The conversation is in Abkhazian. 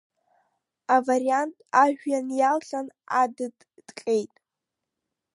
Авариант ажәҩан иалҟьан, адыд ҭҟьеит…